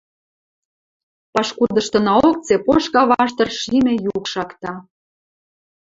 Пашкудыштынаок цепошка ваштыр шимӹ юк шакта.